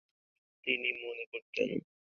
তিনি মনে করতেন।